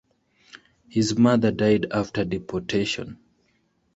His mother died after deportation.